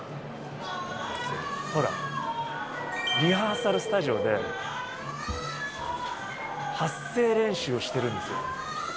ほら、リハーサルスタジオで、発声練習をしているんですよ。